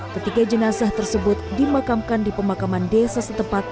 ketika jenazah tersebut dimakamkan di pemakaman desa setempat